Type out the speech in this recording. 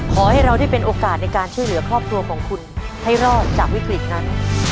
ขอให้เราได้เป็นโอกาสในการช่วยเหลือครอบครัวของคุณให้รอดจากวิกฤตนั้น